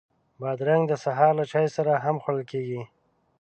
بادرنګ د سهار له چای سره هم خوړل کېږي.